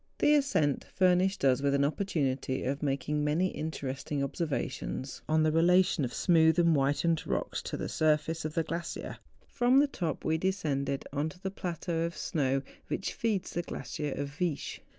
The ascent furnished us with an opportunity of making many interesting observations on the rela¬ tion of smooth and whitened rocks to the surface 64 MOUNTAIN ADVENTUEES. of the glacier. From the top, we descended on to the plateau of snow which feeds the glacier of Viescli.